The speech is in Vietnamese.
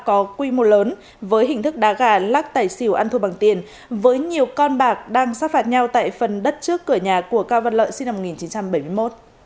có quy mô lớn với hình thức đá gà lắc tài xỉu ăn thua bằng tiền với nhiều con bạc đang sát phạt nhau tại phần đất trước cửa nhà của cao văn lợi sinh năm một nghìn chín trăm bảy mươi một